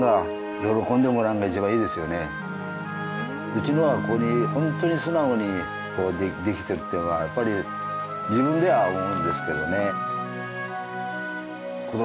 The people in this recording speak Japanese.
うちのはホントに素直にできてるっていうのはやっぱり自分では思うんですけどね。